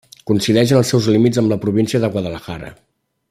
Coincideix en els seus límits amb la província de Guadalajara.